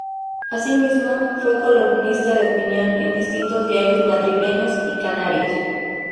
Asimismo fue columnista de opinión en distintos diarios madrileños y canarios.